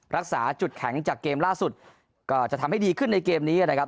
รักษาจุดแข็งจากเกมล่าสุดก็จะทำให้ดีขึ้นในเกมนี้นะครับ